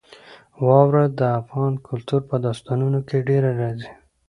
واوره د افغان کلتور په داستانونو کې ډېره راځي.